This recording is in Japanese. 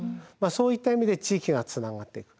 そういった意味で地域がつながっていく。